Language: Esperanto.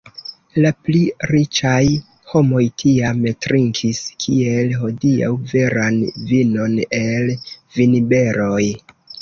La pli riĉaj homoj tiam trinkis, kiel hodiaŭ veran vinon el vinberoj.